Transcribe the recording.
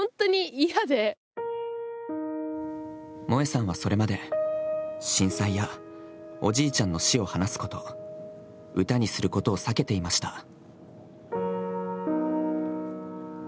萌江さんはそれまで、震災やおじいちゃんの死を話すこと、歌にすることを避けていました。